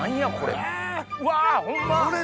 うわホンマ。